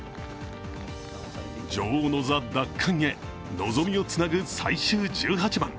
女王の座奪還へ望みをつなぐ最終１８番。